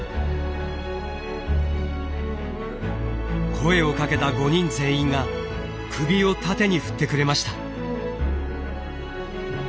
声をかけた５人全員が首を縦に振ってくれました。